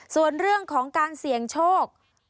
ส่วนเรื่องของการเสี่ยงโชค